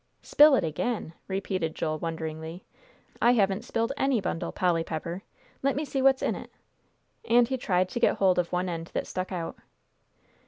"Spill it again?" repeated Joel, wonderingly. "I haven't spilled any bundle, Polly Pepper. Let me see what's in it?" and he tried to get hold of one end that stuck out.